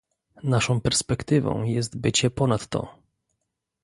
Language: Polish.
"naszą perspektywą jest bycie ponad to"